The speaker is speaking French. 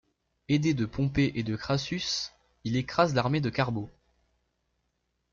Aidé de Pompée et de Crassus, il écrase l'armée de Carbo.